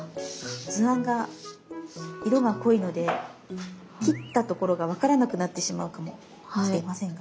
図案が色が濃いので切ったところが分からなくなってしまうかもしれませんが。